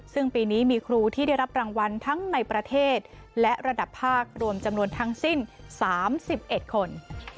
ซึ่งปีนี้มีครูที่ได้รับรางวัลทั้งในประเทศและระดับภาครวมจำนวนทั้งสิ้น๓๑คน